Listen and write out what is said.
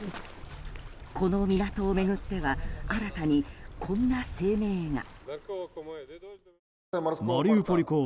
この港を巡っては新たにこんな声明が。